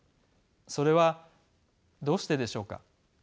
それはどうしてでしょうか。